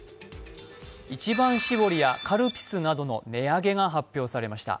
一番搾りやカルピスなどの値上げが発表されました。